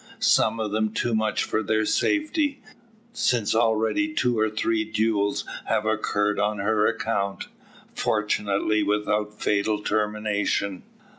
Some of them too much for their safety, since already two or three duels have occurred on her account fortunately without fatal termination.